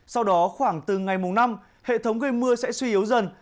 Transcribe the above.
sau đó khoảng từ ngày mùng năm hệ thống gây mưa sẽ suy yếu dần